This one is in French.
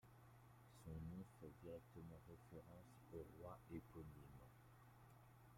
Son nom fait directement référence au roi éponyme.